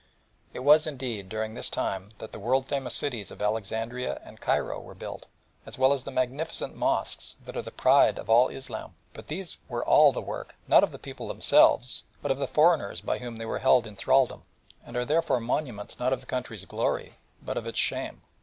It was, indeed, during this time that the world famous cities of Alexandria and Cairo were built as well as the magnificent mosques that are the pride of all Islam, but these were all the work, not of the people themselves, but of the foreigners by whom they were held in thraldom, and are therefore monuments not of the country's glory but of its shame.